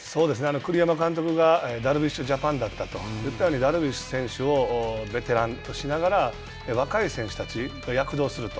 栗山監督がダルビッシュジャパンと言ったように、ダルビッシュ選手をベテランとしながら若い選手たちが躍動すると。